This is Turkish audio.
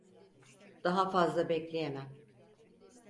Daha fazla bekleyemem.